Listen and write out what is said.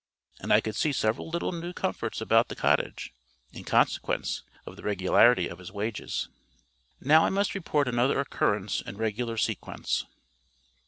And I could see several little new comforts about the cottage, in consequence of the regularity of his wages. Now I must report another occurrence in regular sequence.